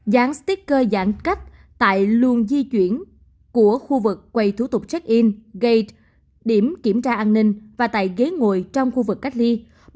gián sticker giãn cách tại luồng di chuyển của khu vực quay thủ tục check in gate điểm kiểm tra an ninh và tại ghế ngồi trong khu vực cách ly